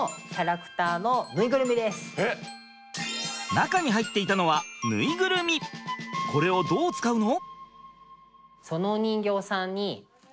中に入っていたのはこれをどう使うの？